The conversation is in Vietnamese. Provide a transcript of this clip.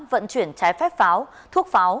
vận chuyển trái phép pháo thuốc pháo